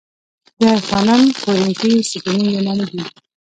د آی خانم کورینتی ستونې یوناني دي